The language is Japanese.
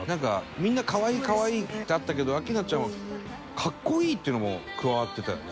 「みんな可愛い可愛いってあったけど明菜ちゃんは格好いいっていうのも加わってたよね